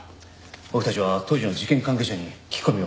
僕たちは当時の事件関係者に聞き込みを。